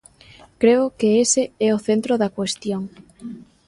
Creo que ese é o centro da cuestión.